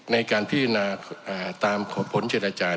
ในการพิจารณาตามผลเจรจา